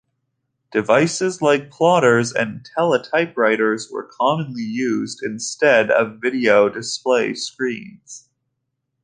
Devices like plotters and teletypewriters were commonly used instead of video display screens.